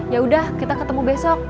yaudah kita ketemu besok